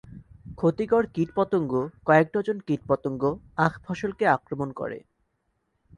ক্ষতিকর কীটপতঙ্গ কয়েক ডজন কীটপতঙ্গ আখ ফসলকে আক্রমণ করে।